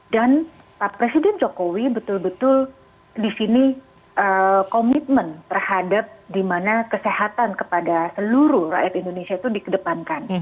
dan pak presiden jokowi betul betul di sini komitmen terhadap di mana kesehatan kepada seluruh rakyat indonesia itu dikedepankan